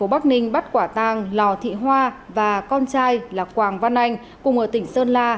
bắc ninh bắt quả tang lò thị hoa và con trai là quảng văn anh cùng ở tỉnh sơn la